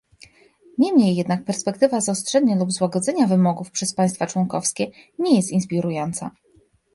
Niemniej jednak perspektywa zaostrzenia lub złagodzenia wymogów przez państwa członkowskie nie jest inspirująca